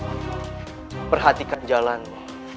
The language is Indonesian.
rai perhatikan jalanmu